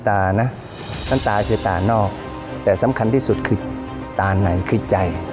ดั่นตาไม่เคยตานอกแต่สำคัญที่สุดคือตาในคือใจ